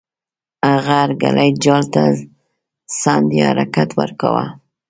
هغه هر ګړی جال ته څنډ یا حرکت ورکاوه.